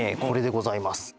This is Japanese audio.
これでございます。